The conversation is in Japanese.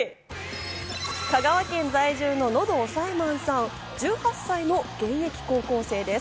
香川県在住の喉押さえマンさん１８歳の現役高校生です。